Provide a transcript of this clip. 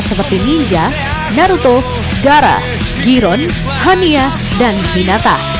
seperti ninja naruto gaara giron hania dan hinata